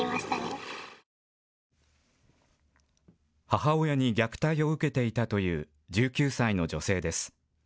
母親に虐待を受けていたという１９歳の女性です。